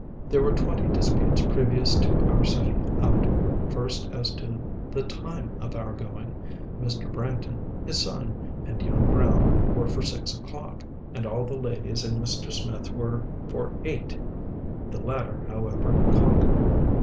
There were twenty disputes previous to our setting out; first as to the time of our going: Mr. Branghton, his son, and young Brown, were for six o'clock, and all the ladies and Mr. Smith were for eight; the latter, however, conquered.